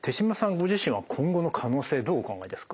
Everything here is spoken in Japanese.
ご自身は今後の可能性どうお考えですか？